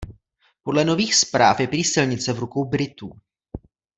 Podle nových zpráv je prý silnice v rukou britů.